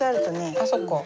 あっそっか。